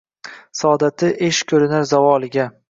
Saodati esh koʼrinar zavoliga.